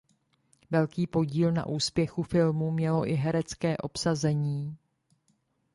Velký podíl na úspěchu filmu mělo i herecké obsazení.